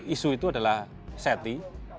isu itu adalah seti